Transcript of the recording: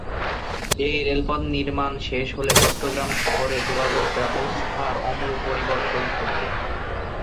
এই রেলপথ নির্মাণ শেষ হলে চট্টগ্রাম শহরে যোগাযোগ ব্যবস্থার আমূল পরিবর্তন ঘটবে।